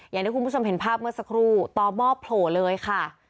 อย่างที่คุณผู้ชมเห็นภาพเมื่อสักครู่ต่อหม้อโผล่เลยค่ะ